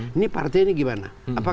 tapi partai ini gimana